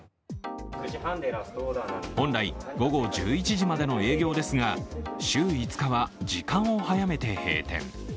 本来、午後１１時までの営業ですが週５日は時間を早めて閉店。